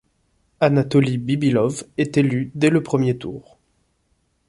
Anatoli Bibilov est élu dès le premier tour.